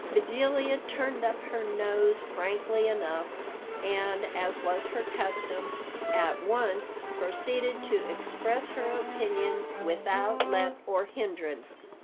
Bedelia turned up her nose frankly enough, and, as was her custom, at once proceeded to express her opinions without let or hindrance.